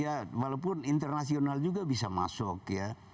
ya walaupun internasional juga bisa masuk ya